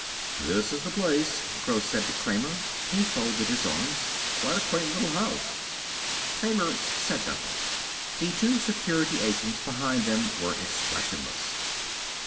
"This is the place," Gross said to Kramer. He folded his arms. "Quite a quaint little house." Kramer said nothing. The two Security Agents behind them were expressionless.